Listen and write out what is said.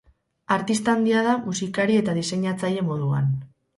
Artista handia da, musikari eta diseinatzaile moduan.